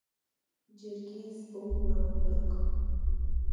Џьаргьы избом уара утәык.